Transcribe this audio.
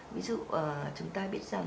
ví dụ chúng ta biết rằng